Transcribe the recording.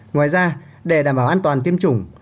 ngoài ra để đảm bảo an toàn tiêm chủng